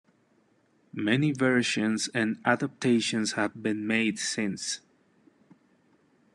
Many versions and adaptations have been made since.